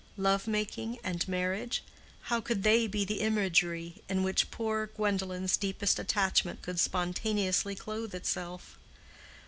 Love making and marriage—how could they now be the imagery in which poor Gwendolen's deepest attachment could spontaneously clothe itself?